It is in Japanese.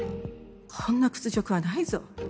こんな屈辱はないぞ。